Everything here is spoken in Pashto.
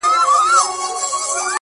تر پښو لاندي قرار نه ورکاوه مځکي.!